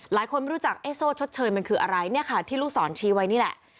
หลายคนไม่รู้จักโซ่ชดเชยมันคืออะไรที่ลูกสอนชี้ไว้นี่แหละ